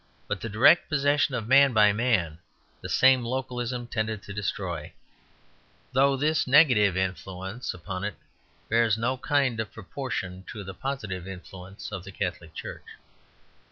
But the direct possession of man by man the same localism tended to destroy; though this negative influence upon it bears no kind of proportion to the positive influence of the Catholic Church.